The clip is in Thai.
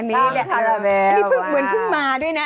อันนี้เพิ่งเหมือนเพิ่งมาด้วยนะ